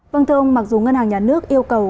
vâng thưa ông mặc dù ngân hàng nhà nước yêu cầu